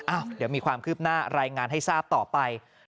เดี๋ยวมีความคืบหน้ารายงานให้ทราบต่อไป